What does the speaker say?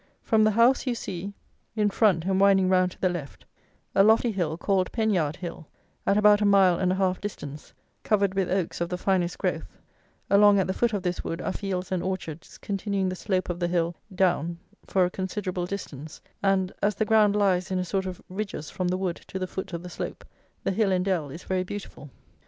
From the house, you see, in front and winding round to the left, a lofty hill, called Penyard Hill, at about a mile and a half distance, covered with oaks of the finest growth: along at the foot of this wood are fields and orchards continuing the slope of the hill down for a considerable distance, and, as the ground lies in a sort of ridges from the wood to the foot of the slope, the hill and dell is very beautiful.